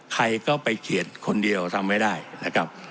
ใครก็ไปเขียนคนเดียวทำไม่ได้นะครับ